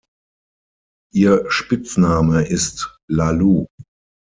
Ihr Spitzname ist „Lalu“.